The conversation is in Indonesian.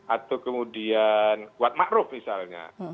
atau kemudian wat ma'ruf misalnya